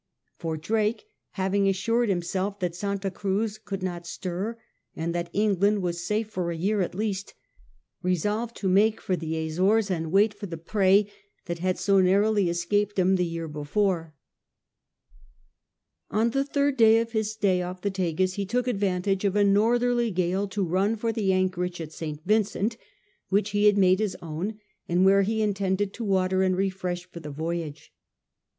For Drake, having assured himself that Santa Cruz could not stir, and that England was safe for a year at least, resolved to make for the Azores and wait for the prey that had so narrowly escaped him the year bef ora On the third day of his stay off the Tagus he took advantage of a northerly gale to run for the anchorage at St. Vincent, which he had made his own and where he intended to water and refresh for the voyage.